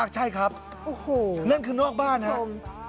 ใช่ครับโอ้โหนั่นคือนอกบ้านครับ